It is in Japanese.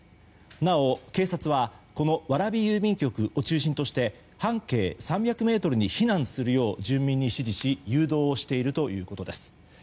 なお、警察はこの蕨郵便局を中心として半径３００ｍに避難するよう住民に指示し誘導をしているということです。